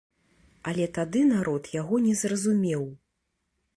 Але тады народ яго не зразумеў.